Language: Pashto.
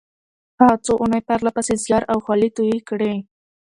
هغه څو اونۍ پرله پسې زيار او خولې تويې کړې.